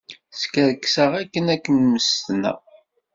Skerkseɣ akken ad ken-mmestneɣ.